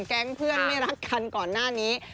แก๊งเพื่อนไม่รักกันก่อนหน้านี้